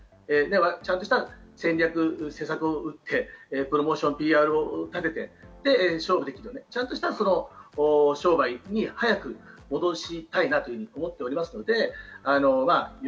ちゃんとした戦略・政策を打ってプロモーション、ＰＲを打ち立てて、ちゃんとした商売に早く戻したいなと思っています。